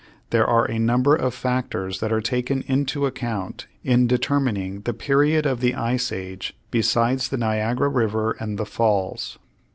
There are a number of factors that are taken into account in determining the period of the ice age besides the Niagara River and the Falls.